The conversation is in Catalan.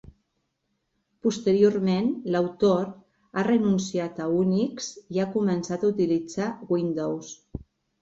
Posteriorment, l'autor ha renunciat a Unix i ha començat a utilitzar Windows.